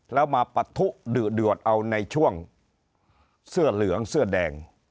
แล้วมาปะทุดึเดือดเอาในช่วงเสื้อเหลืองเสื้อแดง